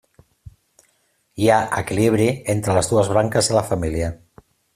Hi ha equilibri entre les dues branques de la família.